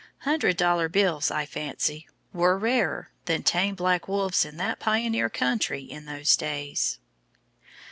Hundred dollar bills, I fancy, were rarer than tame black wolves in that pioneer country in those days.